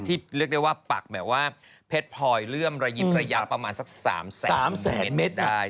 เรียกได้ว่าปักแบบว่าเพชรพลอยเลื่อมระยิบระยะประมาณสัก๓แสนเมตรได้